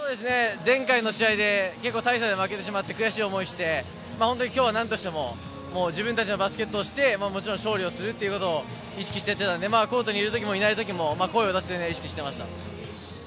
前回の試合で大差で負けてしまって悔しい思いをして、今日はなんとしても自分たちのバスケットをしてもちろん勝利をするということを意識していたので、コートにいるときも、いないときも、声を出すのは意識していました。